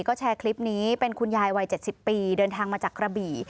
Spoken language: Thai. ก็แชร์คลิปนี้เป็นคุณยายวัย๗๐ปีเดินทางมาจากกระบี่